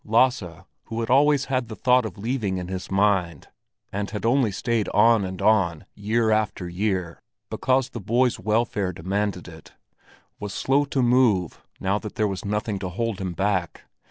Lasse, who had always had the thought of leaving in his mind, and had only stayed on and on, year after year, because the boy's welfare demanded it—was slow to move now that there was nothing to hold him back.